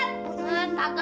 masa lu yang seri bikin